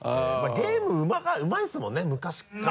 ゲームうまいですもんね昔から。